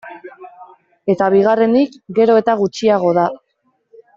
Eta bigarrenik, gero eta gutxiago da.